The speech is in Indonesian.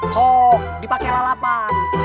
so dipakailah lapar